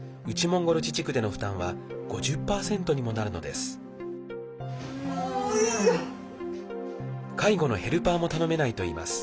モンゴル自治区での負担は５０％にもなるのです。